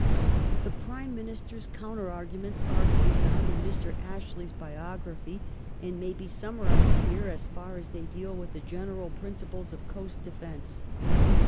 The Prime Minister's counter arguments are to be found in Mr. Ashley's biography, and may be summarised here as far as they deal with the general principles of coast defence.